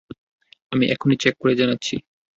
আমি এক্ষুনি চেক করে জানাচ্ছি।